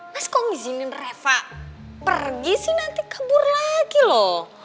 mas kok ngizinin reva pergi sih nanti kabur lagi loh